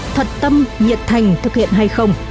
thật tâm nhiệt thành thực hiện hay không